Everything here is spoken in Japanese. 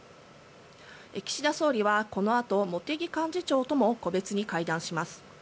岸田総理はこのあと茂木幹事長とも個別に会談します。